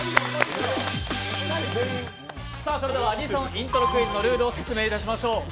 アニソンイントロクイズのルールを説明しましょう。